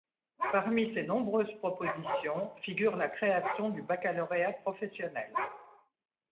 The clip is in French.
Parmi ses nombreuses propositions figure la création du baccalauréat professionnel.